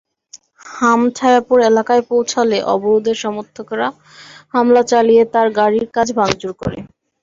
হামছায়াপুর এলাকায় পৌঁছালে অবরোধের সমর্থকেরা হামলা চালিয়ে তাঁর গাড়ির কাচ ভাঙচুর করে।